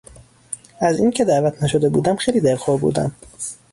از اینکه دعوت نشده بودم خیلی دلخور شدم.